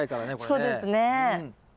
そうですか。